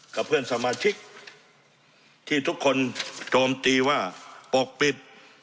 กับเพื่อนสมาชิกที่ทุกคนโจมตีว่าปกปิด